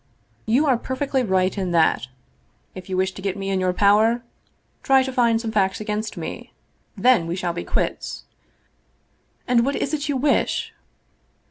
You are perfectly right in that. If you wish to get me in your power try to find some facts against me. Then we shall be quits!" "And what is it you wish?"